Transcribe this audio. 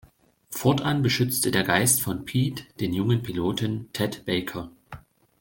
Fortan beschützt der Geist von Pete den jungen Piloten Ted Baker.